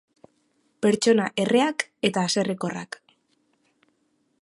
Pertsona erreak eta haserrekorrak.